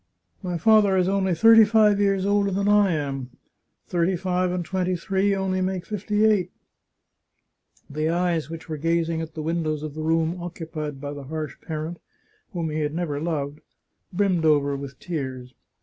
" My father is only thirty five years older than I am — ^thirty five 171 The Chartreuse of Parma and twenty three only make fifty eight." The eyes which were gazing at the windows of the room occupied by the harsh parent, whom he had never loved, brimmed over with tears.